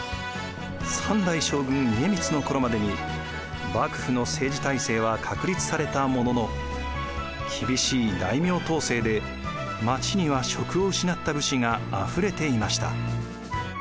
３代将軍・家光の頃までに幕府の政治体制は確立されたものの厳しい大名統制で町には職を失った武士があふれていました。